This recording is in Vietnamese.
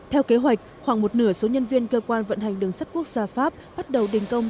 theo kế hoạch khoảng một nửa số nhân viên cơ quan vận hành đường sắt quốc gia pháp bắt đầu đình công